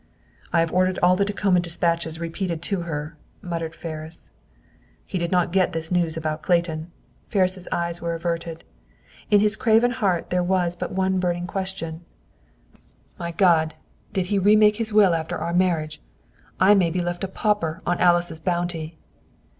"I have ordered all the Tacoma dispatches repeated to her," muttered Ferris. "He did not get this news about Clayton." Ferris' eyes were averted. In his craven heart there was but one burning question, "My God! Did he remake his will after our marriage? I may be left a pauper on Alice's bounty."